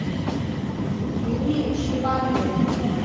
明命十八年。